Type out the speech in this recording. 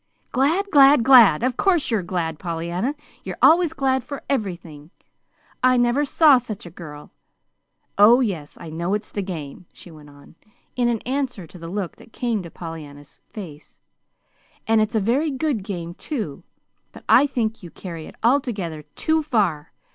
"Glad glad glad! Of course you're glad, Pollyanna. You're always glad for everything. I never saw such a girl. Oh, yes, I know it's the game," she went on, in answer to the look that came to Pollyanna's face. "And it's a very good game, too; but I think you carry it altogether too far.